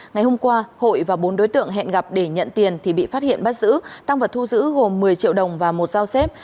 ngày hôm qua hội và bốn đối tượng hẹn gặp để nhận tiền thì bị phát hiện bắt giữ tăng vật thu giữ gồm một mươi triệu đồng và một giao xếp